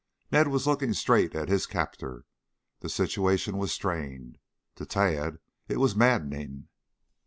Ned was looking straight at his captor. The situation was strained. To Tad, it was maddening.